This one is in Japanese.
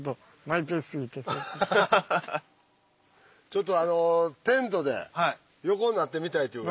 ちょっとあのテントで横になってみたいっていうから。